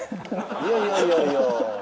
いやいやいやいや。